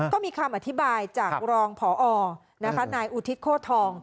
ก็มีคำอธิบายจากรองพอนายอุทิศโคทอง